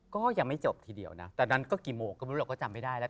ก็ยังไม่จบทีเดียวนะตอนนั้นก็กี่โมงก็ไม่รู้เราก็จำไม่ได้แล้ว